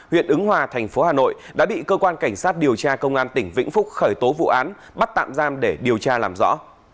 huyện ứng hòa thành phố hà nội đã bị cơ quan cảnh sát điều tra công an tỉnh vĩnh phúc khởi tố vụ án bắt tạm giam để điều tra làm rõ